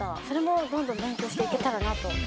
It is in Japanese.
それもどんどん勉強していけたらなと。